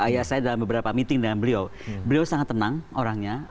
ya itu juga